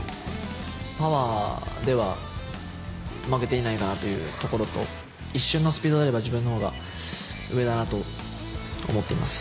パワーでは負けていないかなというところと、一瞬のスピードであれば、自分のほうが上だなと思っています。